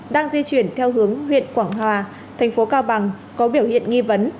đang di chuyển theo hướng huyện quảng hòa thành phố cao bằng có biểu hiện nghi vấn